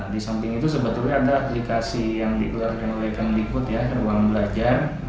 di samping itu sebetulnya ada aplikasi yang dikeluarkan oleh kang dikut ya ruang belajar